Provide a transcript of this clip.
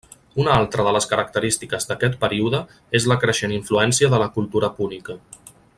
Una altra de les característiques d'aquest període és la creixent influència de la cultura púnica.